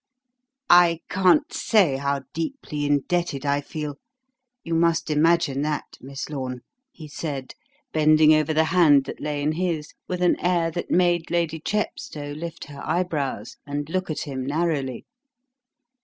"I can't say how deeply indebted I feel you must imagine that, Miss Lorne," he said, bending over the hand that lay in his, with an air that made Lady Chepstow lift her eyebrows and look at him narrowly.